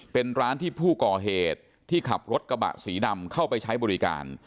เป็นร้านที่ผู้ก่อเหตุที่ขับรถกระบะสีดำเข้าไปใช้บริการ